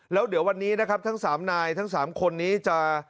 แล้วเดี๋ยววันนี้นะครับทั้ง๓นายทั้ง๓คนนี้จะ